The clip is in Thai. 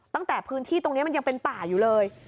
ตั้งแต่พื้นที่ตรงนี้มันยังเป็นป่าอยู่เลย